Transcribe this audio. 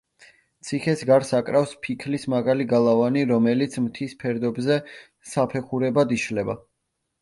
ციხეს გარს აკრავს ფიქლის მაღალი გალავანი, რომელიც მთის ფერდობზე საფეხურებად იშლება.